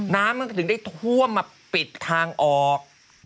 น้ำมันก็ถึงได้ท่วมมาปิดทางออก